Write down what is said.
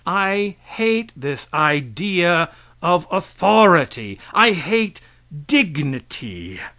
I hate this idea of authority. I hate dignity.